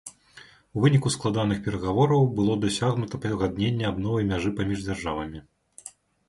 У выніку складаных перагавораў было дасягнута пагадненне аб новай мяжы паміж дзяржавамі.